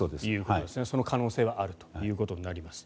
その可能性はあるということになります。